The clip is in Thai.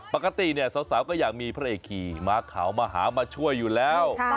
ปกติเนี่ยสาวก็อยากมีพระเอกขี่ม้าขาวมาหามาช่วยอยู่แล้ว